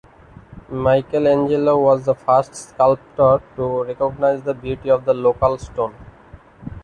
Michelangelo was the first sculptor to recognize the beauty of the local stone.